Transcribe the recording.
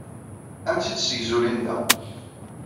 Ad am-tt-id-tessegzu Linda.